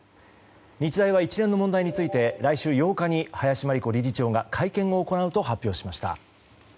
日大は一連の問題について来週８日に林真理子理事長が会見を行うと発表しました。